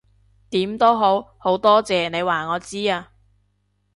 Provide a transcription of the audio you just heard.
點都好，好多謝你話我知啊